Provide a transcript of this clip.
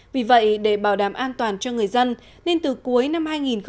vì vậy để bảo đảm an toàn cho người dân nên từ cuối năm hai nghìn một mươi chín